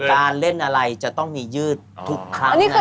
การเล่นอะไรจะต้องมียืดทุกครั้ง